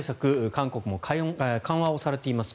韓国も緩和をされています。